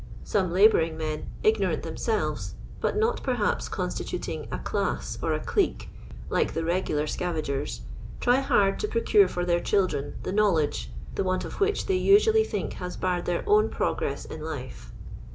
Some labouring men, ignorant themselves, but not perhaps constituting a class or a clique like the regular scavagers, try hard to procure for their children the knowledge, the want of which tliey usuiil'y think has barred their own progress in life.